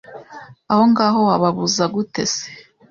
Aho ngaho wababuza gute se.